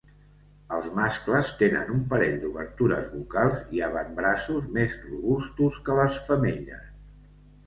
Els mascles tenen un parell d'obertures vocals i avantbraços més robustos que les femelles.